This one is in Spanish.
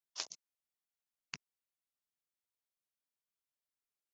Fue un destacado cantante y poeta del cancionero paraguayo.